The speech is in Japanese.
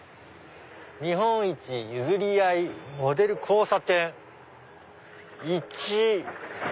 「日本一ゆずり合いモデル交差点」。